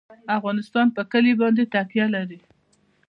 افغانستان په کلي باندې تکیه لري.